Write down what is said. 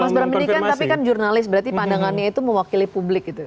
pas berpendidikan tapi kan jurnalis berarti pandangannya itu mewakili publik gitu